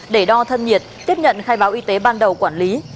để đo thân nhiệt tiếp nhận khai báo y tế ban đầu quản lý